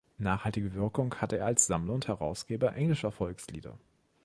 Nachhaltige Wirkung hatte er als Sammler und Herausgeber englischer Volkslieder.